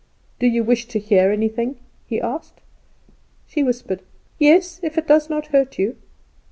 "Do you wish to hear anything?" he asked. She whispered: "Yes, if it does not hurt you."